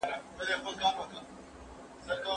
زه پرون موسيقي اورم وم،